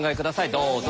どうぞ。